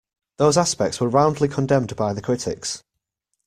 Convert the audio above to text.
Those aspects were roundly condemned by the critics.